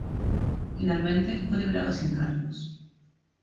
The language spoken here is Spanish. Finalmente fue liberado sin cargos.